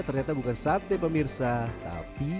ternyata bukan sate pemirsa